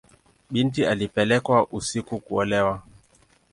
Binti alipelekwa usiku kuolewa.